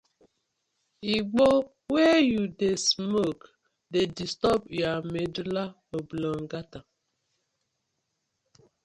Igbo wey yu dey smoke dey disturb yah medulla oblongata.